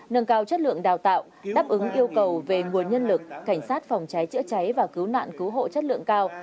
nâng cao chất lượng đào tạo đáp ứng yêu cầu về nguồn nhân lực cảnh sát phòng cháy chữa cháy và cứu nạn cứu hộ chất lượng cao